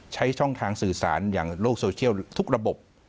ใช้ช่องทางสื่อสารอย่างโลกโซเชียลทุกระบบ